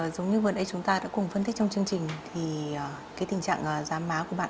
giống như vừa nãy chúng ta đã cùng phân tích trong chương trình thì tình trạng giám má của bạn